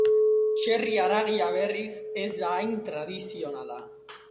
Txerri haragia berriz, ez da hain tradizionala.